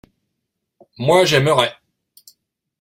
Moi, j’aimerai.